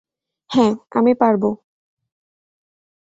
হ্যাঁ, আমি পারবো!